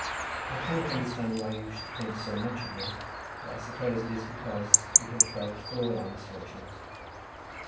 I cannot understand why you should think so much of me, but I suppose it is because you have felt for all our misfortunes.